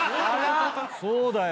そうだよ。